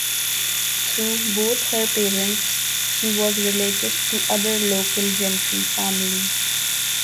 Through both her parents she was related to other local gentry families.